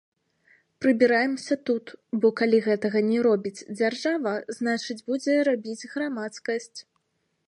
Прыбіраемся тут, бо калі гэтага не робіць дзяржава, значыць будзе рабіць грамадскасць.